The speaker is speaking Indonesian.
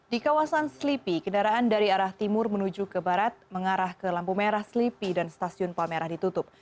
di kawasan selipi kendaraan dari arah timur menuju ke barat mengarah ke lampu merah selipi dan stasiun palmerah ditutup